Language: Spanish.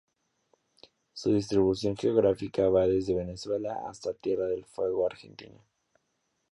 Su distribución geográfica va desde Venezuela hasta Tierra del Fuego, Argentina.